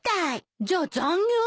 じゃあ残業？